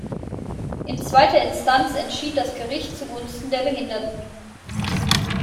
In zweiter Instanz entschied das Gericht zugunsten der Behinderten.